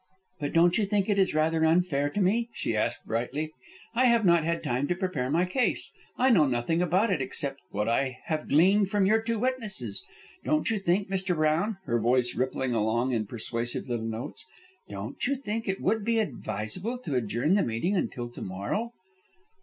"But don't you think it is rather unfair to me?" she asked, brightly. "I have not had time to prepare my case. I know nothing about it except what I have gleaned from your two witnesses. Don't you think, Mr. Brown," her voice rippling along in persuasive little notes, "don't you think it would be advisable to adjourn the meeting until to morrow?"